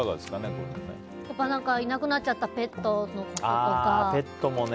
いなくなっちゃったペットのこととか。